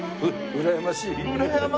うらやましい。